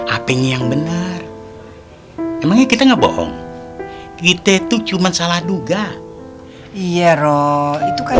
apinya yang benar emangnya kita enggak bohong kita itu cuman salah duga iya roh itu kan